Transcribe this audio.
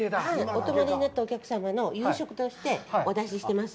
お泊まりになったお客様の夕食としてお出ししています。